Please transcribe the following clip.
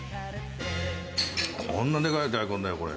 こんなにでかい大根だよ、これ。